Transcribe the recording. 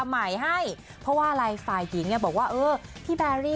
คำพูดเหานะคะแต่หนูหว่าหน้าเขาที่เขาแบบ